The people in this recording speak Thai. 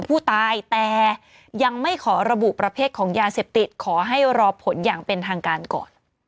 ผู้ตายแต่ยังไม่ขอระบุประเภทของยาเสพติดขอให้รอผลอย่างเป็นทางการก่อน